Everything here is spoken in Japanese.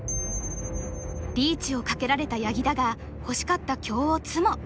リーチをかけられた八木だが欲しかった香をツモ！